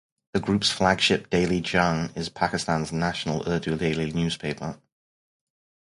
The group's flagship "Daily Jang" is Pakistan's national Urdu daily newspaper.